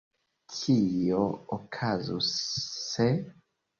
Kio okazus, se…